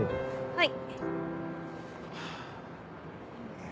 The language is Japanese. はい。